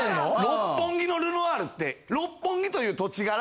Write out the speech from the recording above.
六本木のルノアールって六本木という土地柄